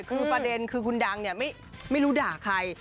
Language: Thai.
คือประเด็นคือคุณดังเนี่ยไม่รู้ด่าใคร